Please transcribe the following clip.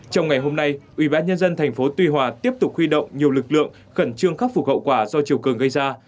trong ngày hôm nay ubnd tp tuy hòa tiếp tục huy động nhiều lực lượng khẩn trương khắc phục hậu quả do chiều cường gây ra